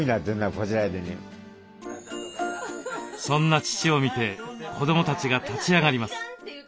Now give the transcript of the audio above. そんな父を見て子どもたちが立ち上がります。